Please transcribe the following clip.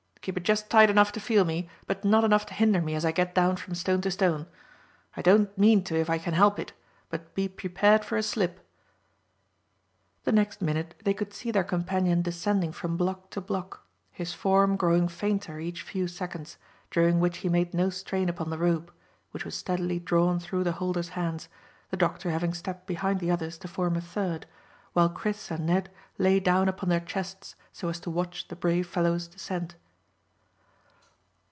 "Keep it just tight enough to feel me, but not enough to hinder me as I get down from stone to stone. I don't mean to if I can help it, but be prepared for a slip." The next minute they could see their companion descending from block to block, his form growing fainter each few seconds, during which he made no strain upon the rope, which was steadily drawn through the holders' hands, the doctor having stepped behind the others to form a third, while Chris and Ned lay down upon their chests so as to watch the brave fellow's descent.